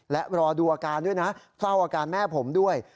และรอดูอาการด้วยนะเฝ้าอาการแม่ผมด้วย